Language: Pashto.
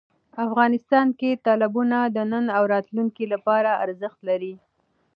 افغانستان کې تالابونه د نن او راتلونکي لپاره ارزښت لري.